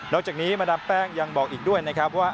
จากนี้มาดามแป้งยังบอกอีกด้วยนะครับว่า